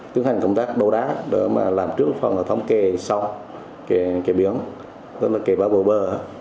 tương hành công tác đô đá để mà làm trước phần hợp thống kẻ sông kẻ biển tức là kẻ bã bờ bờ